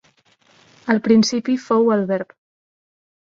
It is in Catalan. Al principi fou el verb.